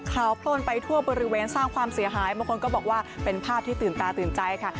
พลนไปทั่วบริเวณสร้างความเสียหายบางคนก็บอกว่าเป็นภาพที่ตื่นตาตื่นใจค่ะ